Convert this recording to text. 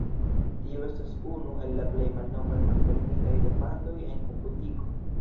Tio estas unu el la plej malnovaj malfermitaj demandoj en komputiko.